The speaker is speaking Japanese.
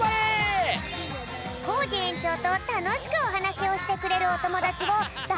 コージえんちょうとたのしくおはなしをしてくれるおともだちをだ